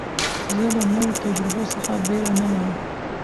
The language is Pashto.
زه له نوو تجربو څخه بېره نه لرم.